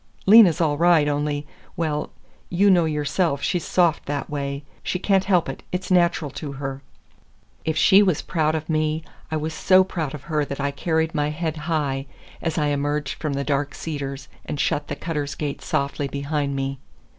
Lena's all right, only—well, you know yourself she's soft that way. She can't help it. It's natural to her." If she was proud of me, I was so proud of her that I carried my head high as I emerged from the dark cedars and shut the Cutters' gate softly behind me.